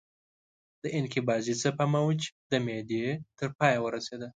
د انقباضي څپه موج د معدې تر پایه ورسېده.